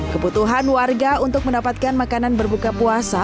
keputuhan warga untuk mendapatkan makanan berbuka puasa